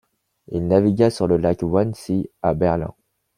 Il navigua sur le lac Wannsee à Berlin.